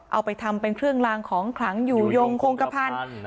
เอาไปทำเป็นเครื่องลางของขลังอยู่ยงโครงกระพันธุ์